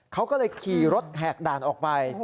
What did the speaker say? เขาก็เลยขี่รถระแกรดออกไป